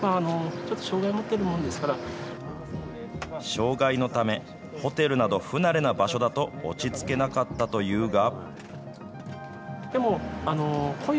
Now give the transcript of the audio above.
障害のため、ホテルなど、不慣れな場所だと落ち着けなかったというが。